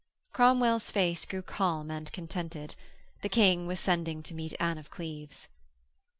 Cromwell's face grew calm and contented; the King was sending to meet Anne of Cleves.